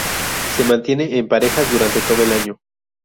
Se mantiene en parejas durante todo el año.